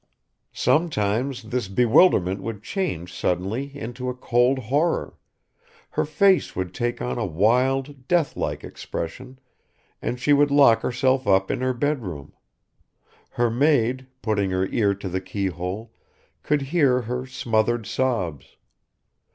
Sometimes this bewilderment would change suddenly into a cold horror; her face would take on a wild, deathlike expression and she would lock herself up in her bedroom; her maid, putting her ear to the keyhole, could hear her smothered sobs.